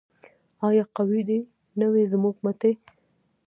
آیا قوي دې نه وي زموږ مټې؟